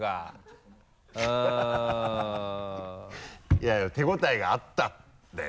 いやいや手応えがあったんだよ